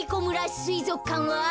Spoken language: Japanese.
すいぞくかんは。